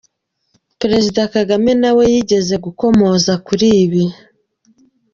Perezida Kagame nawe yigeze gukomoza kuri ibi.